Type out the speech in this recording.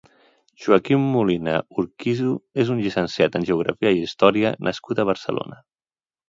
Joaquim Molina Urquizu és un llicenciat en Geografia i Història nascut a Barcelona.